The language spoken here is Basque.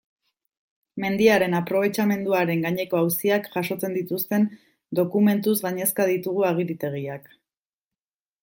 Mendiaren aprobetxamenduaren gaineko auziak jasotzen dituzten dokumentuz gainezka ditugu agiritegiak.